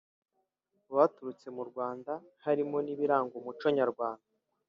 baturutse mu Rwanda harimo n’ibiranga umuco Nyarwanda